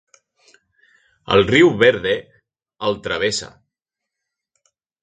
El riu Verde el travessa.